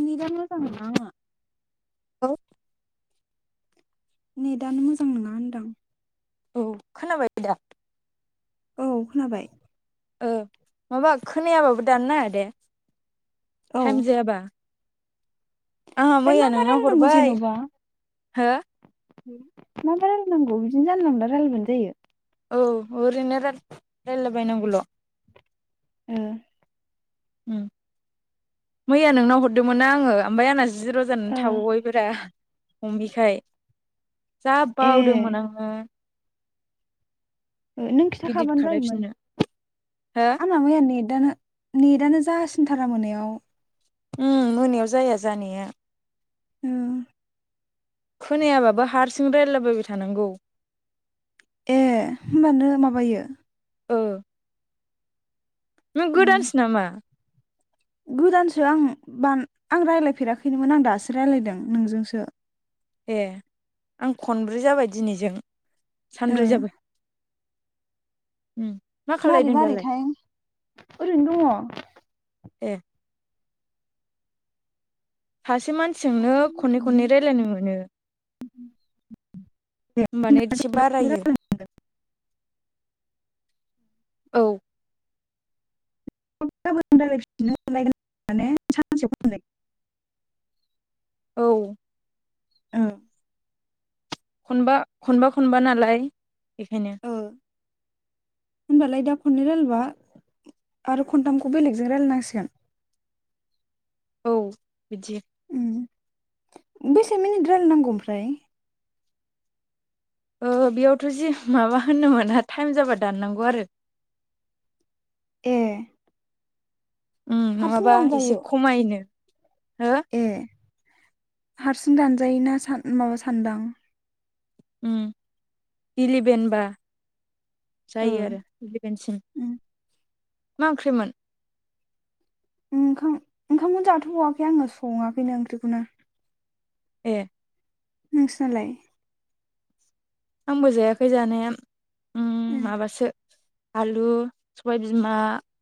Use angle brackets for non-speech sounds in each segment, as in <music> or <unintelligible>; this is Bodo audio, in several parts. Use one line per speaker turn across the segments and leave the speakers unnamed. नेटानो मोजां नङा आंना।
औ
नेटानो मोजां नङा होनदां।
औ खोनाबाय दा?
औ खोनाबाय।
ओ माबा खोनायाबाबो दाननो नाङा दे।
औ
थाइम
ओमफ्राय
जायाबा। आंहा
ओमफ्राय मा
मैया
मा
नोंनाव
रायलायनांगौ
हरबाय
जेन'बा।
हो
मा मा रायलायनांगौ बिदिनो जानला मोनला रायलायबानो जायो।
औ ओरैनो राय रायलायला बायनांगौल'।
ए
मैया नोंनाव हरदोंमोन ना आङो ओमफ्राय आंना जिर' जानानै
ओ
थाबावबायब्रा हमिखाय जा
ए
बावदोंमोन आङो।
ए नों
इदिट
खिथाखाबानो जायोमोन।
खालायफिननो हो
आंना मैया नेदानो नेदानो जासिनथारा मोनायाव।
उम मोनायाव जाया जानाया।
उम
खोनायाबाबो हारसिं रायलाबायबाय थानांगौ।
ए होमबानो माबायो।
ओ नों
उम
गोदानसो नामा?
गोदानसो आं बां आं रायलायफेराखैनोमोन आं दासो रायलायदों नोंजोंसो।
ए आं खनब्रै जाबाय दिनैजों
ओ
सानब्रै जाबाय। उम मा
मारै
खालायदों दालाय
मारैथाय ओरैनो दङ।
ए सासे मानसिजोंनो खननै खननै रायजलायनो मोनो। होनबानो एसे
दङ
बारायो। औ
<unintelligible> माने सानसेयाव खननै
औ
उम।
खनबा खनबा खनबा नालाय बेखायनो।
ओ। होनबालाय दा खननै रायलायबा आरो खनथामखौ बेलेगजों रायलायनांसिगोन।
औ बिदि
उम बेसे मिनिट रायलाय नांगौ ओमफ्राय?
ओ बेयावथ' जि माबा होननो मोना थाइम जाबा दाननांगौ आरो।
ए
उम
हारसिं
नङाबा एसे
दानजायो?
खमायनो हो
ए हारसिं दानजायो ना सान माबा सानदां।
उम इलेभेनबा।
ओ
जायो आरो इलेभेनसिम।
उम
मा ओंख्रिमोन?
ओंखाम ओंखामखौनो जाथ'वाखै आङो सङाखैनो ओंख्रिखौनो।
ए
नोंस्रालाय।
आंबो जायाखै जानाया उम
ए
माबासो आलु सबायबिमा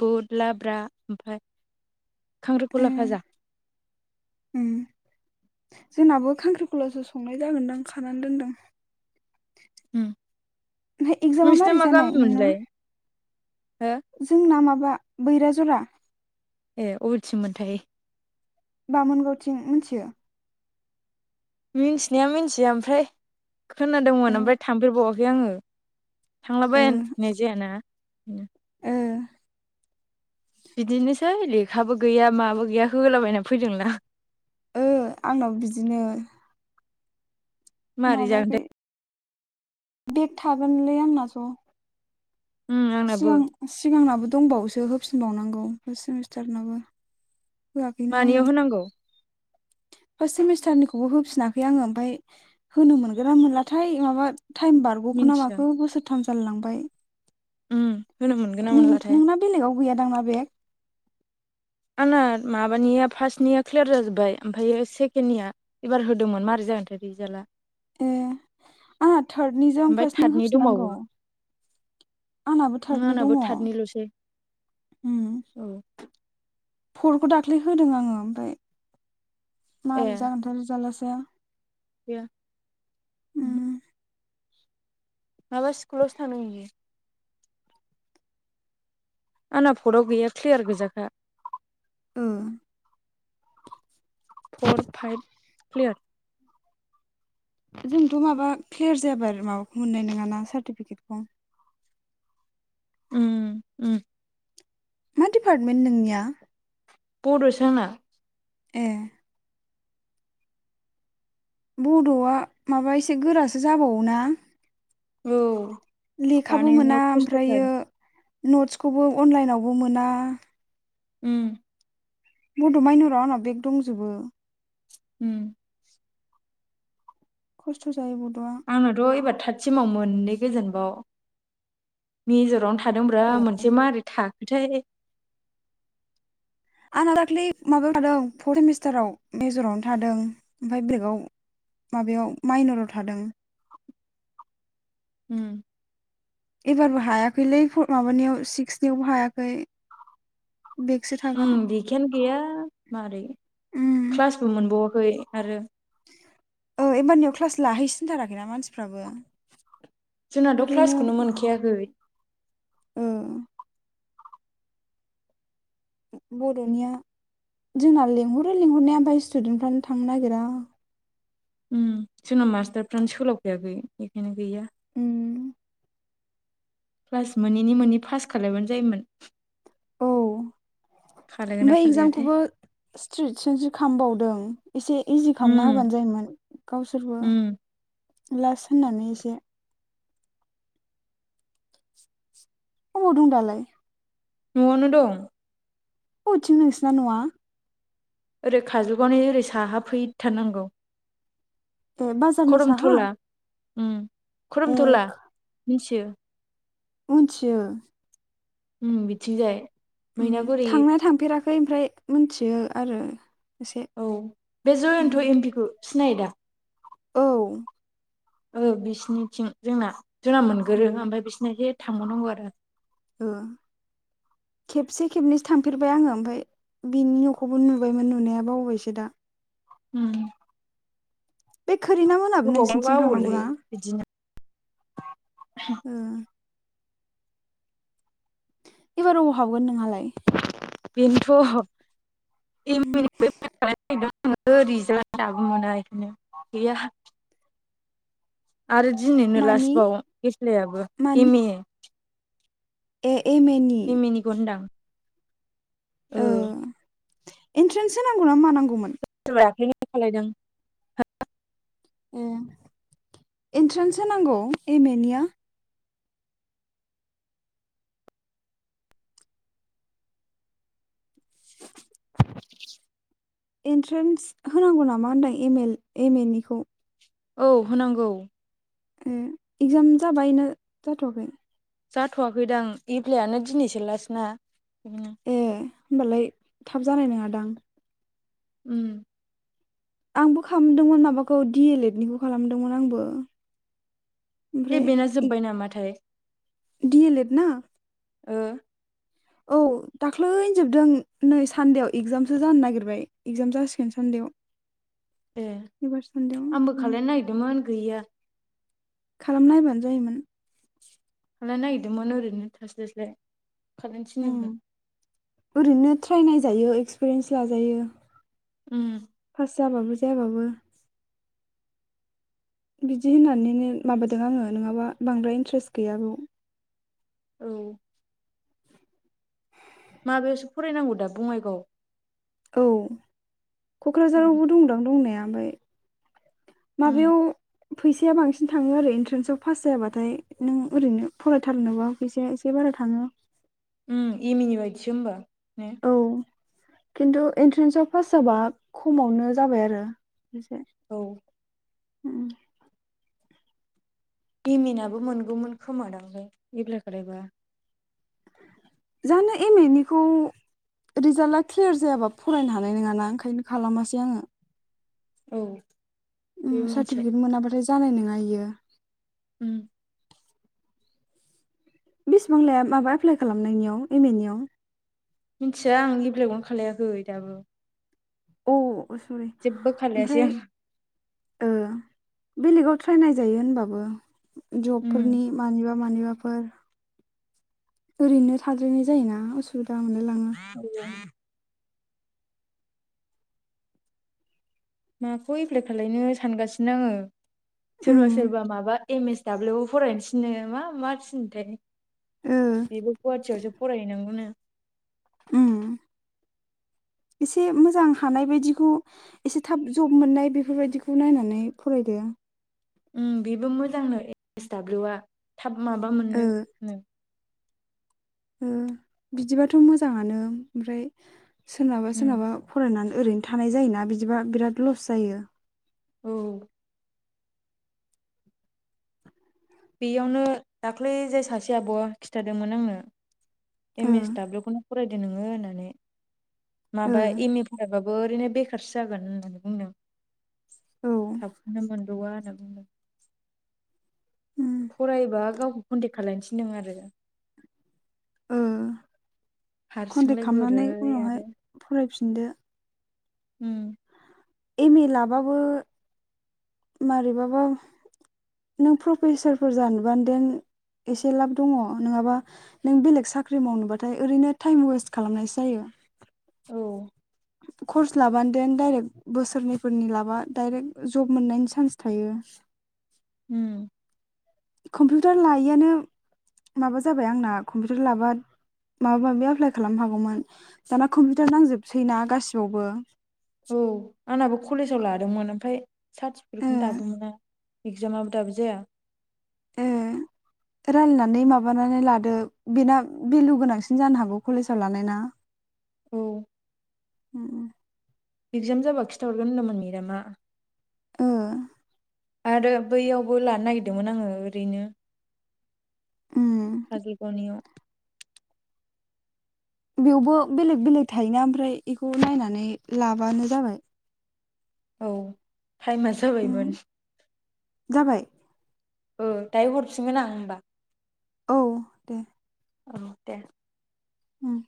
बुद लाब्रा ओमफाय
ए
खांख्रिखला भाजा
उम जोंनाबो खांख्रिखलासो संनाय जागोनदांं खानानै दोनदों
उम
ओमफ्राय एक्जामा
नोंसिना
मारै
मा
जानाय नोंना
गामिमोनलाय हो
जोंना माबा बैराजरा
ए अबेथिं मोनथाय
बामोनगावथिं मिथियो
मिथिनाया मिथिया ओमफ्राय
ओ
खोनादोंमोन ओमफ्राय थांफेरबावाखै आङो थांलाबाय होननाय जायाना बेनो
ओं
बिदिनोसै लेखाबो गैया माबो गैयाखौ होलाबायनानै फैदोंलां
ओ आंनाबो बिदिनो
मारै
माबायाखै
जागोनथाय
बेग थागोनलै आंना ज'
उम आंनाबो
सिगां सिगांनाबो दंबावोसो होफिनबावनांगौ फार्स्ट सेमिस्टारनाबो होआखैनो आङो
मानियाव होनांगौ
फार्स्ट सेमिस्टारनिखौबो होफिनाखै आङो ओमफाय होनो मोनगोना मोनलाथाय माबा टाइम बारग'खो ना
मिन्थिया
माखो बोसोरथाम जालाय लांबाय
उम होनो मोनगोन ना मोनलाथाय
नोंना बेलेगाव गैया दांना बेग
आंना माबानिया फार्स्टनिया क्लियार जाजोब्बाय ओमफायो सेकेण्डनिया एबार होदोंमोन मारै जागोनथाय रिजाल्टआ
ए आंहा थार्दनिजों
ओमफ्राय
फार्स्टनि
थार्दनि दंबावो
होफिननांगौ आंनाबो
उम
थारदनि
आंनाबो
दङ
<unintelligible> औ
फरखौ दाख्लै होदों आङो ओमफ्राय
ए
मोरै जागोनथाय रिजाल्टासो
गैया
उम
माबा स्कुल थांदों इयो आंना आफदआव गैया क्लियार गोजाखा
ओ
फर फाइभ क्लियार
जोंथ' माबा क्लियार जायाबा माबाखौ मोननाय नङाना सार्टिफिकेटखौ
उम
मा दिपार्टमेन्ट नोंनिया
बद सो आंना
ए बड'आ माबा एसे गोरासो जाबावोना
औ
लेखाबो मोना
बानायनायाव खस्थ'थार
ओमफ्रायो नट्सखौबो अनलाइनावबो मोना
उम
बद' मायनराव आंनाव बेग दंजोबो
उम
खस्थ' जायो बड'आ
आंनथ' एबार थतसिमाव मोननै गोजोनबाव मेजरावनो थां थादोंब्रा मोनसे माबोरै थाखोथाय
आंना दाख्लै माबायाव थादों फर्थ सेमिस्टाराव मेजरावनो थादों ओमफाय बेलेकाव माबायाव माइनराव थादों
उम
एबारबो हायाखैलै माबानियाव सिक्सनियावबो हायाखै। बेगसो
उम
थागोन
लेखायानो गैया मारै
उम
क्लासबो मोनबावाखै आरो
ओ एबारनियाव क्लास लाहैसिनथाराखैना मानसिफ्राबो
जोंनाथ'
ओरैनो
क्लासखौनो मोनखायाखै।
ओ बर'निया जोंना लेंहरो लेंहरनाया ओमफ्राय स्टुदेन्टफ्रानो थांनो नागिरा।
उम जोंना मास्टारफ्रानो सोलाबखायाखै बेखायनो गैया।
उम
क्लास मोनि मोनि पास खालायबानो जायोमोन।
औ
खालायगोन ना
ओमफ्राय
खालायाथाय
इगजामखौबो स्ट्रिट सेनसो खामबावदों। एसे इजि खामना
उम
होबानो जायोमोन गावसोरबो
उम
लास्ट होननानै एसे। अबाव दं दालाय?
न'वावनो दं।
अबेथिं नोंसिना न'वा?
ओरै खाजलगावनि ओरै साहा फैथारनांगौ।
ए बाजारनि साहा
खरमथला उम
ए
खरमथला मिथियो?
मोनथियो‌
उम बिथिंजाय
उम
मैनागुरि
थांनाया थांफेराखै ओमफ्राय मोनथियो आरो। एसे
औ बे
उम
जयन्त एमपिखौ सिनायो दा?
औ
ओ बिसिनिथिं जोंना जोंना मोनगोरो
उम
ओमफ्राय बिसोरना एसे थांबावनांगौ आरो।
ओ खेबसे खेबनैसो थांफेरबाय आङो ओमफ्राय बिनि न'खौबो नुबायमोन नुनाया बावबायसो दा।
उम
बे खोरिना मोनाबो
गोबावबा
नोंसोरनिथिं थांनांगौ
बावोलै
ना
बिदिनो
ओ एबार अबाव हाबगोन नोंहालाय?
बेनोथ' <unintelligible> रिजालानो दाबो मोना इखोनो गैया। आरो दिनैनो
मानि
लास्बाव एफ्लायाबो
मानि
M A
A M A नि?
ए मे निखौ होनदां ओ
एन्ट्रेन्स होनांगौ ना मानांगौमोन?
सोरबाया दाखालैनो खालायदों।
ए इन्ट्रेन्स होनांगौ एम ए निया? <inaudible> एन्ट्रेन्स होनांगौ नामा होनदों एल एम ए निखौ?
औ होनांगौ।
उम एगजाम जाबाय ना जाथ'वाखै?
जाथ'वाखैदां एप्लायानो दिनैसोलासना बिदिनो
ए ओमबालाय थाब जानाय नोङा दां?
उम
आंबो खामदोंमोन माबाखौ डि ए लेएड निखौ खालामदोंमोन आंबो।
ए बेना जोब्बाय नामाथाय
डिए लेड ना
ओ
औ दाख्लैनो जोबदों नै सानदेआव एगजामसो जानो नागिरबाय। इगजाम जासिगोन सान्देयाव
ए आंबो खालायनो नागिरदोंमोन गैया।
खालाम नायबानो जायोमोन
खालायनो नागिरदोंमोन ओरैनो थास्लाय थास्लाय खालायनो थिनदोंमोन
उम ओरैनो ट्राइ नायजायो एक्सपिरियेन्स लाजायो
उम
पास जाबाबो जायाबाबो बिदि होननानैनो माबादों आङो नोङाबा बांद्राय इन्ट्रेस्ट गैया बाव
औ माबायावसो फरायनांगौ दा बङाइगाव
औ
उम
क'क्राझारावबो दंदां दंनाया ओमफ्राय
उम
माबायाव फैसाया बांसिन थाङो आरो एनट्रेन्साव पास जायाबाथाय नों ओरैनो फरायथारनोबा फैसाया एसे बारा थाङो
एम ए नि बायदिसो होमबा ने
औ खिन्थु एन्ट्रेन्साव पास जाबा खमावनो जाबाय आरो एसे
औ
उम
एम ए नाबो मोनगौमोन खोमादांलै एफ्लाय खालायबा
जानो एम ए निखौ रिजाल्टा क्लियार जायाबा फरायनो हानाय नोङाना ओंखायनो खालामासै आङो
औ बेबो मोनसे
सार्टिफिकेट मोनाब्लाथाय जानाय नङा इयो
ओम
बेसबां लाया माबा एप्लाइ खालामनायनियाव एम ए नियाव
मिथिया आं एफ्लायखौनो खालायाखै दाबो
औ सरि
जेबो खालायासै
ओमफ्राय
आं
बेलेगाव ट्रायनाय जायो होनबाबो
उम
जबफोरनि मानिबा मानिबाफोर ओरैनो थाद्रायनाय जायोना उसुबिदा मोनलायलाङो
<unintelligible> माखौ एप्लाइ खालायनो सानगासिनो आङो सोरबा
उम
सोरबा माबा एम एस दाब्लिउआवबो फरायनो थिनो मा मा थिनो थाय
ओ
बेबो गुवाहाटियावसो फराय हैनांगौ नो
उम एसे मोजां हानाय बायदिखौ एसे थाब जब मोननाय बेफोरबायदिखौ नायनानै फरायदो
बेबो मोजांनो एस दाब्लिउआ थाब माबा
ओ
मोननो नो
बिदिबाथ' मोजाङानो ओमफ्राय सोरनाबा
उम
सोरनाबा फरायनानै ओरैनो थानाय जायोना बिदिबा बिराद लस जायो
औ बेयावनो दाख्लै जाय सासे आब' खिथादोंमोन आंनो एम
ओ
एस दाब्लिउखौनो फरायदो नोङो होननानै
ओ
माबा एम ए फरायबाबो ओरैनो बे खारसो जागोन होननानै बुंदों
औ
थाबखौनो मोनबावा होनना बुंदों
उम
फरायोबा गावखौ कन्टेक खालायनो थिनदों आरो
ओ कन्टेक्ट
हारसिंलाय
खालामनानै
बोरै आरो
उनावहाय फरायफिनदो
उम
एम ए लाबाबो मारैबाबा नों प्रफेसारफोर जानोबान देन एसे लाब दङ नङाबा नों बेलेग साख्रि मावनोबाथाय ओरैनो टाइम वेस्ट खालामनायसो जायो
औ
कर्स लाबानदेन डाइरेक्ट बोसोरनैफोरनि लाबा डाइरेक्ट जब मोननायनि सान्स थायो <inaudible>
उम
कम्पिउटार लायैयानो माबा जाबाय आंना कम्पिउटार लाबा माबा माबि एप्लाइ खालाम हागौमोन दाना कम्पिउटार नांजोबसै ना गासिबावबो।
औ आंनाबो कलेजाव लादोंमोन ओमफ्राय
ओ
सार्टिफिकेटखौनो दाबो मोना। इगजामाबो दाबो जाया।
ए रालायनानै माबानानै लादो बेना भेलु गोनांसिन जानो हागौ कलेजाव लानाय ना।
औ
<inaudible>
एगजाम जाबा खिथाहरगोन होनदोंमोन मेडामा।
ओ
आरो बैयावबो लानो नागिरदोंमोन आङो ओरैनो
ओम
काजिकनियाव
बेयावबो बेलेग बेलेग थायोना ओमफ्राय एखौ नायनानै लाबानो जाबाय।
औ टाइमासो
उम
जाबायमोन।
जाबाय।
ओ दायो हरफिनगोन आं होमबा।
औ दे।
औ दे।
उम